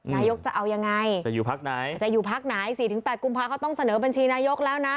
นายกจะเอายังไงจะอยู่พักไหน๔๘กุมภาคต้องเสนอบัญชีนายกแล้วนะ